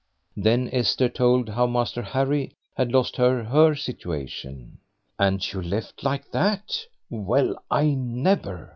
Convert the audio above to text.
Then Esther told how Master Harry had lost her her situation. "And you left like that? Well I never!